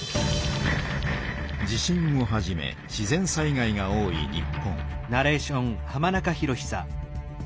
地震をはじめ自然災害が多い日本。